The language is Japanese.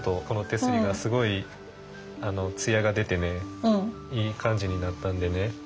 この手すりがすごい艶が出てねいい感じになったんでね